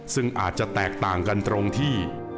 ซึ่งอาจจะแตกต่างกันตรงที่